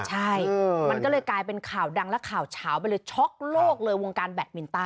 ใช่มันก็เลยกลายเป็นข่าวดังและข่าวเฉาไปเลยช็อกโลกเลยวงการแบตมินต้า